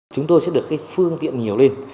chúng tôi sẽ được cái phương tiện nhiều lên